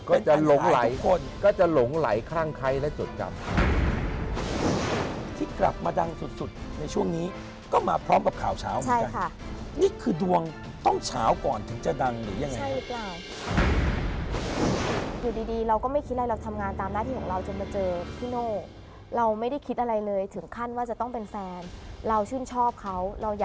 ก็จะหลงไหลข้างใครและจดจำ